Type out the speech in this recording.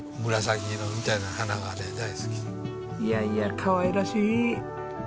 いやいやかわいらしい。